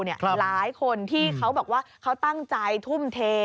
หลายคนที่เขาบอกว่าเขาตั้งใจทุ่มเท